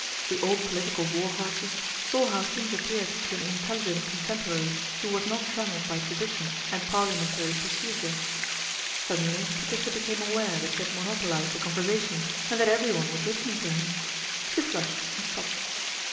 The old political war horses sa 1 LADY PEGGY MAKES A FRIEND 255 jow things appeared to an intelligent contem prary who was not trammelled by tradition and jarliamentary procedure. Suddenly Patricia became aware that she had lonopolised the conversation and that every ne was listening to her. She flushed and j:opped.